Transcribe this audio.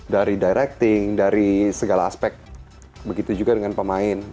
dari directing dari segala aspek begitu juga dengan pemain